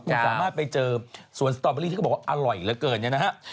คุณสามารถไปเจอสวนสตอเบอรี่ที่เขาบอกว่าอร่อยเหลือเกินเนี่ยนะฮะ